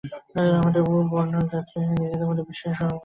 আমাদের বহু বর্ণ-জাতি নিজেদের মধ্যে এবং বিশ্বের সবার সঙ্গে শান্তিতে থাকবে।